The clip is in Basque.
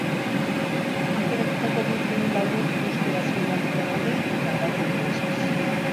Aukeratutako bi film labur euskaraz filmatuta daude eta bat ingelesez.